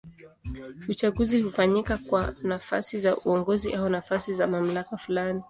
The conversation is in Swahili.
Uchaguzi hufanyika kwa nafasi za uongozi au nafasi za mamlaka fulani.